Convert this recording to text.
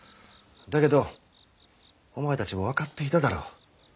だけどお前たちも分かっていただろう。